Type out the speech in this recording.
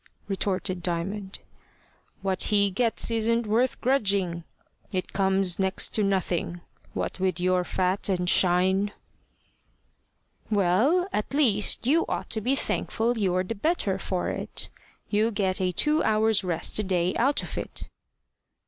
retorted Diamond. "What he gets isn't worth grudging. It comes to next to nothing what with your fat and shine. "Well, at least you ought to be thankful you're the better for it. You get a two hours' rest a day out of it."